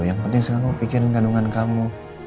yang penting sekarang kamu pikirin kandungan kamu